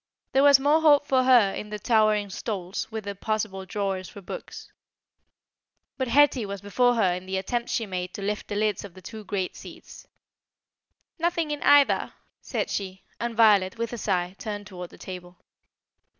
There was more hope for her in the towering stalls, with their possible drawers for books. But Hetty was before her in the attempt she made to lift the lids of the two great seats. "Nothing in either," said she; and Violet, with a sigh, turned towards the table.